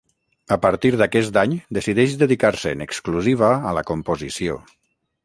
A partir d'aquest any decideix dedicar-se en exclusiva a la composició.